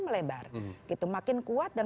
melebar makin kuat dan